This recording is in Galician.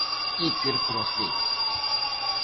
Iker para o Cee.